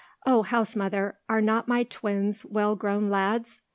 O Housemother, are not my twins well grown lads?"